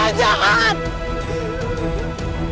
jangan jangan semua